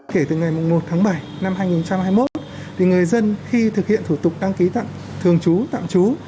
kể từ ngày một tháng bảy năm hai nghìn hai mươi một người dân khi thực hiện thủ tục đăng ký tặng thường trú tạm trú